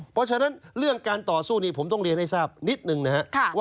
เพราะฉะนั้นเรื่องการต่อสู้นี้ผมต้องเรียนให้ทราบนิดนึงนะครับ